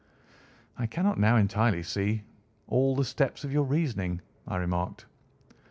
"I cannot now entirely see all the steps of your reasoning," I remarked.